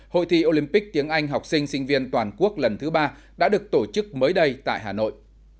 hội thi olympic tiếng anh học sinh sinh viên toàn quốc lần thứ ba đã được tổ chức mới đây tại hà nội